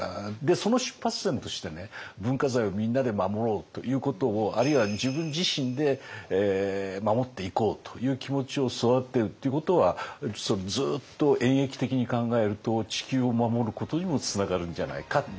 その出発点として文化財をみんなで守ろうということをあるいは自分自身で守っていこうという気持ちを育てるっていうことはずっと演えき的に考えると地球を守ることにもつながるんじゃないかなと思いますね。